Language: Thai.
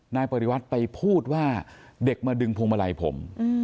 นายปริวัติไปพูดว่าเด็กมาดึงพวงมาลัยผม